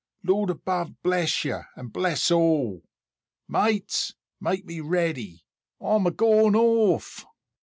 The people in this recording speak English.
Lord above bless you, and bless all! Mates, make me ready! I'm a going off!"